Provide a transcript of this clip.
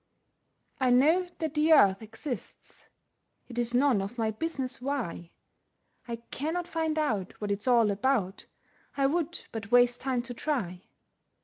I know that the earth exists, It is none of my business why; I cannot find out what it's all about, I would but waste time to try.